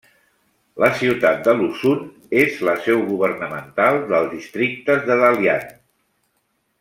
La ciutat de Lüshun és la seu governamental dels districtes de Dalian.